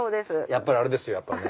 やっぱりあれですよ